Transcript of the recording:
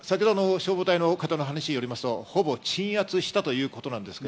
消防隊の話によりますと、ほぼ鎮圧したということです。